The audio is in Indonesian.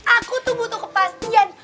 aku tuh butuh kepastian